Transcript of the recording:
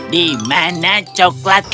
di mana coklatku